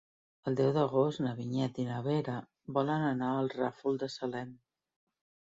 El deu d'agost na Vinyet i na Vera volen anar al Ràfol de Salem.